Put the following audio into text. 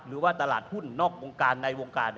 หรือว่าตลาดหุ้นนอกวงการในวงการ